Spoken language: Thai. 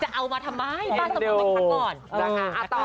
จะเอามาทำไมป้าสมอนเมียดีกว่าก่อน